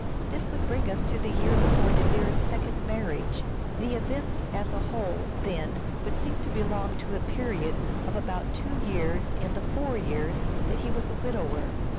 This would bring us to the year before De Vere's second marriage. The events as a whole, then, would seem to belong to a period of about *9 450 "SHAKESPEARE" IDENTIIED two years in the four years that he was a widower.